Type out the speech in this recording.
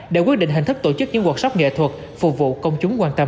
để quyết định hình thức tổ chức những workshop nghệ thuật phục vụ công chúng quan tâm